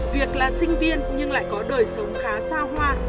việc là sinh viên nhưng lại có đời sống khá xao hoa